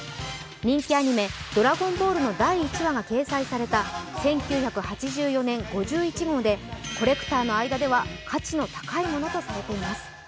人気アニメ「ドラゴンボール」の第１話が掲載された１９８４年５１号でコレクターの間では価値の高いものとされています。